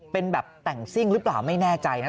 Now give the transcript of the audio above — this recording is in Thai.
เป็นแบบแต่งซิ่งหรือเปล่าไม่แน่ใจนะ